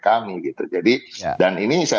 kami gitu jadi dan ini saya